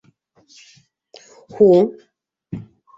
— Һуң?